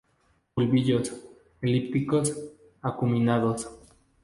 Bulbillos, elípticos, acuminados.